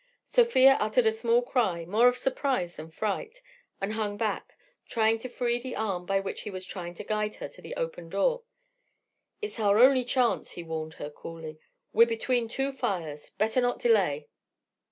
Sofia uttered a small cry, more of surprise than fright, and hung back, trying to free the arm by which he was trying to guide her to the open door. "It's our only chance," he warned her, coolly. "We're between two fires. Better not delay!"